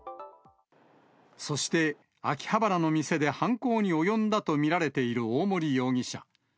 そして、秋葉原の店で犯行に及んだと見られている大森容疑者。